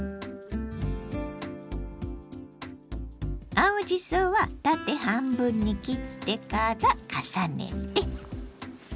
青じそは縦半分に切ってから重ねて。